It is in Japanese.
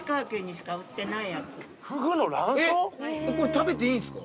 これ食べていいんですか？